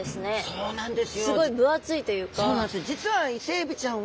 そうなんです！